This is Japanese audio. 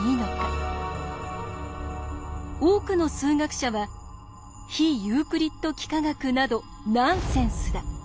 多くの数学者は「非ユークリッド幾何学などナンセンスだ。